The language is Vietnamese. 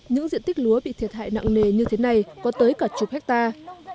những diện tích lúa bị thiệt hại nặng nề như thế này có tới cả chục hectare